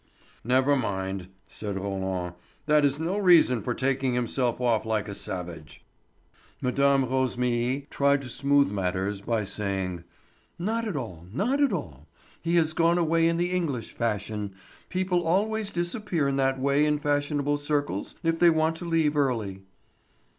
"Never mind," said Roland, "that is no reason for taking himself off like a savage." Mme. Rosémilly tried to smooth matters by saying: "Not at all, not at all. He has gone away in the English fashion; people always disappear in that way in fashionable circles if they want to leave early."